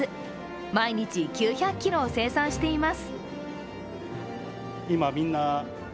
毎日９００ｋｇを生産しています。